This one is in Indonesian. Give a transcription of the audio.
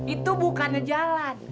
itu bukannya jalan